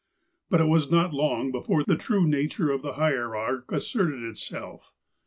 But it was not long before the true nature of the hier arch asserted itself.